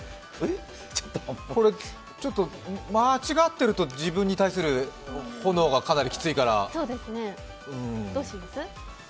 間違ってると、自分に対する炎がかなりきついから。